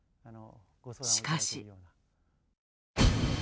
しかし。